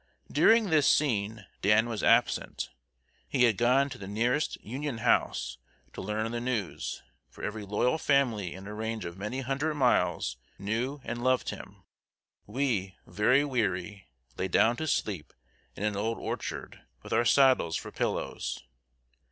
During this scene Dan was absent. He had gone to the nearest Union house to learn the news, for every loyal family in a range of many hundred miles knew and loved him. We, very weary, lay down to sleep in an old orchard, with our saddles for pillows.